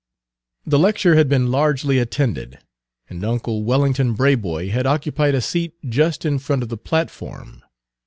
The lecture had been largely attended, and uncle Wellington Braboy had occupied a seat just in front of the platform.